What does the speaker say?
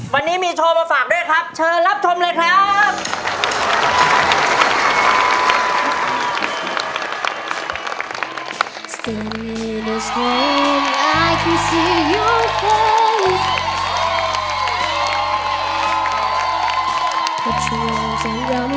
วันนี้มีโชว์มาฝากด้วยครับเชิญรับชมเลยครับ